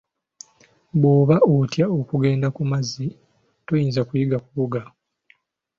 Bw'oba otya okugenda mu mazzi toyinza kuyiga kuwuga.